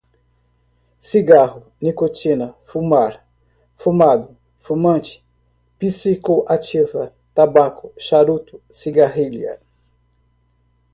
cigarro, nicotina, fumar, fumado, fumante, psicoativa, tabaco, charuto, cigarrilha